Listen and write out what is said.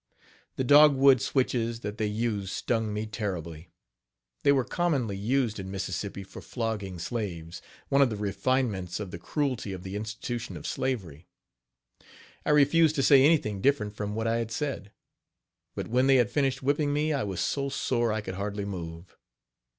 The dog wood switches that they used stung me terribly. They were commonly used in Mississippi for flogging slaves one of the refinements of the cruelty of the institution of slavery. I refused to say anything different from what I had said; but when they had finished whipping me I was so sore I could hardly move.